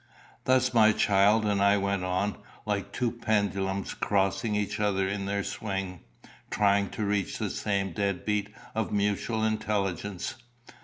Thus my child and I went on, like two pendulums crossing each other in their swing, trying to reach the same dead beat of mutual intelligence.